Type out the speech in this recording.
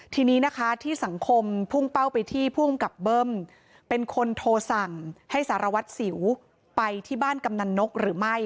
ทีนี้นะคะที่สังคมพุ่งเป้าไปที่ภูมิกับเบิ้มเป็นคนโทรสั่งให้สารวัตรสิวไปที่บ้านกำนันนกหรือไม่